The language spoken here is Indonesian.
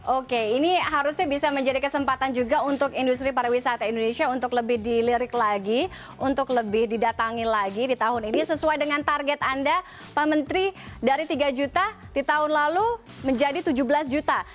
oke ini harusnya bisa menjadi kesempatan juga untuk industri pariwisata indonesia untuk lebih dilirik lagi untuk lebih didatangi lagi di tahun ini sesuai dengan target anda pak menteri dari tiga juta di tahun lalu menjadi tujuh belas juta